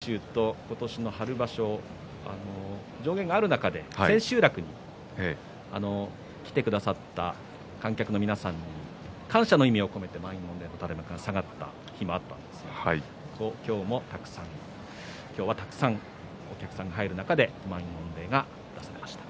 去年の九州と今年の春場所上限がある中で千秋楽に来てくださった観客の皆さんに感謝の意味を込めて満員御礼の垂れ幕が下がった日もあったんですが今日はたくさんのお客さんが入る中で満員御礼が出されました。